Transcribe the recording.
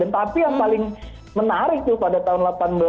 tapi yang paling menarik itu pada tahun seribu delapan ratus tiga puluh tujuh